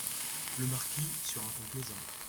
Le Marquis , sur un ton plaisant.